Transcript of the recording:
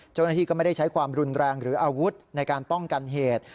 เจ้าหน้าที่ก็ไม่ได้ใช้ความรุนแรงหรืออาวุธในการป้องกันเหตุ